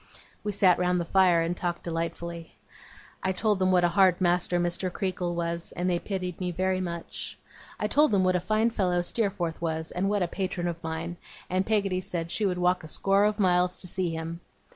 We sat round the fire, and talked delightfully. I told them what a hard master Mr. Creakle was, and they pitied me very much. I told them what a fine fellow Steerforth was, and what a patron of mine, and Peggotty said she would walk a score of miles to see him.